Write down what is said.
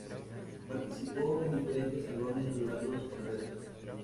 Participó en diferentes Salones a lo largo de su carrera.